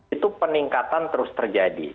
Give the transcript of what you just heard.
itu peningkatan terus terjadi